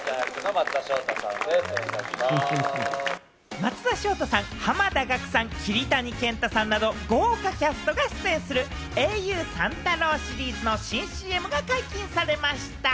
松田翔太さん、濱田岳さん、桐谷健太さんなど豪華キャストが出演するａｕ三太郎シリーズの新ＣＭが解禁されました。